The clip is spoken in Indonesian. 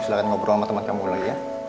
om silahkan ngobrol sama temen kamu lagi ya